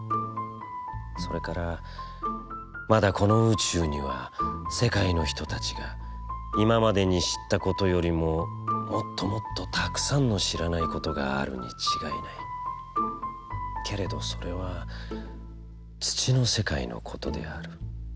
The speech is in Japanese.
それからまだこの宇宙には世界の人達が今迄に知つた事よりももつともつと沢山の知らない事があるに違ない、けれどそれは土の世界のことである。